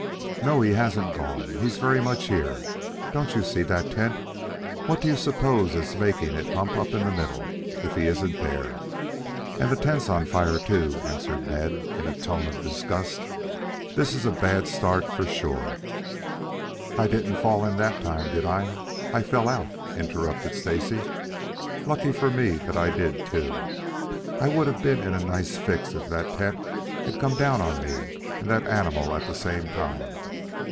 "No, he hasn't gone. He's very much here. Don't you see that tent! What do you suppose is making it hump up in the middle, if he isn't there? And the tent's on fire, too," answered Ned, in a tone of disgust. "This is a bad start for sure." "I didn't fall in that time, did I? I fell out," interrupted Stacy. "Lucky for me that I did, too. I would have been in a nice fix if that tent had come down on me and that animal at the same time."